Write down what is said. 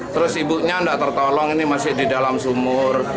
terus ibunya tidak tertolong ini masih di dalam sumur